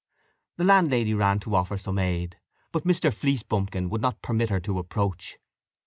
The landlady ran to offer some aid; but Mr. Fleecebumpkin would not permit her to approach.